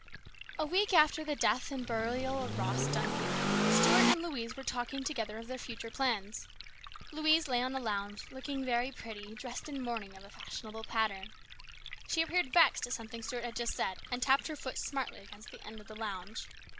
A WEEK after the death and burial of Ross Duncan, Stuart and Louise were talking together of their future plans. Louise lay on a lounge, looking very pretty, dressed in mourning of a fashionable pattern. She appeared vexed at something Stuart had just said, and tapped her foot smartly against the end of the lounge.